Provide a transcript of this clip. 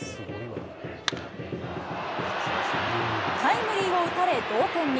タイムリーを打たれ同点に。